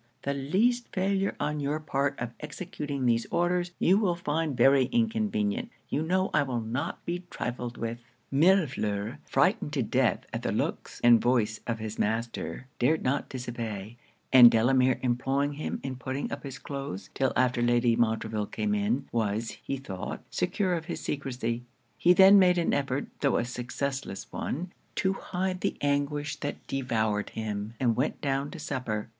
The least failure on your part of executing these orders, you will find very inconvenient you know I will not be trifled with.' Millefleur, frightened to death at the looks and voice of his master, dared not disobey; and Delamere employing him in putting up his cloaths till after Lady Montreville came in, was, he thought, secure of his secresy. He then made an effort, tho' a successless one, to hide the anguish that devoured him; and went down to supper.